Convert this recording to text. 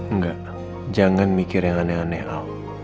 nggak jangan mikir yang aneh aneh al